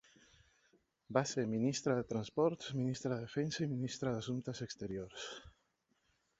Va ser ministre de Transports, ministre de Defensa i ministre d'Assumptes Exteriors.